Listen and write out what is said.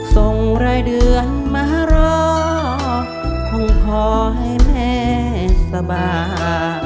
ส่งรายเดือนมารอคงขอให้แม่สบาย